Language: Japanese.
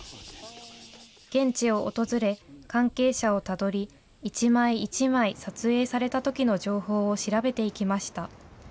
現地を訪れ、関係者をたどり、一枚一枚、撮影されたときの情報を調べていきました。